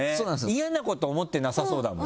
嫌なこと、思ってなさそうだもん。